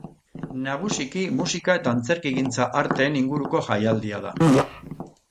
Nagusiki musika eta antzerkigintza arteen inguruko jaialdia da.